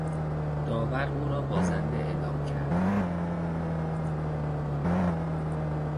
داور او را بازنده اعلام کرد.